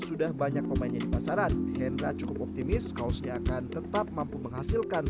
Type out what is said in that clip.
sudah banyak pemainnya di pasaran hendra cukup optimis kaosnya akan tetap mampu menghasilkan